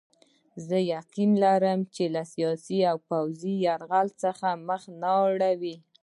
زه یقین لرم له سیاسي او پوځي یرغل څخه مخ نه اړوي.